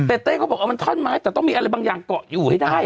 แต่เต้เขาบอกเอามันท่อนไม้แต่ต้องมีอะไรบางอย่างเกาะอยู่ให้ได้